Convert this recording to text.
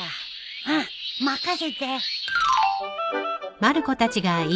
うん任せて。